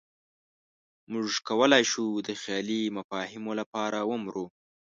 موږ کولی شو د خیالي مفاهیمو لپاره ومرو.